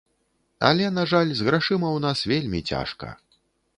Але, на жаль, з грашыма ў нас вельмі цяжка.